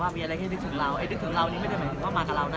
มีอะไรให้นึกถึงเราไอ้นึกถึงเรานี่ไม่ได้หมายถึงว่ามากับเรานะ